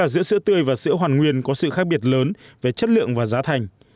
giữa sữa tươi và sữa hoàn nguyên có sự khác biệt lớn về chất lượng và giá thành